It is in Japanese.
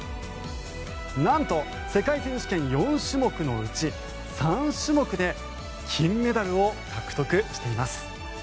なんと世界選手権４種目のうち３種目で金メダルを獲得しています。